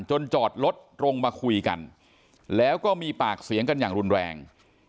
จอดรถลงมาคุยกันแล้วก็มีปากเสียงกันอย่างรุนแรง